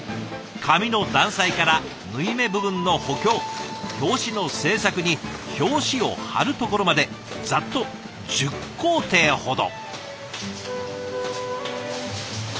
紙の断裁から縫い目部分の補強表紙の製作に表紙を貼るところまでざっと１０工程ほど。